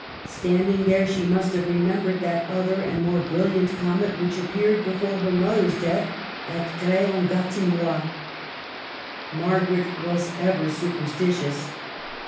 Standing there she must have remembered that other and more brilliant comet which appeared before her mother's death at Grez en Gatinois. Margaret was ever super stitious.